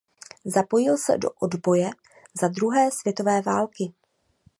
Zapojil se do odboje za druhé světové války.